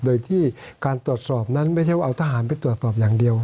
โดยที่การตรวจสอบนั้นไม่ใช่ว่าเอาทหารไปตรวจสอบอย่างเดียว